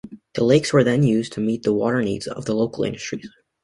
The lakes were then used to meet the water needs of the local industries.